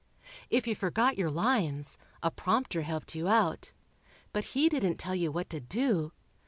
If you forgot your lines, a prompter helped you out, but he didn't tell you what to do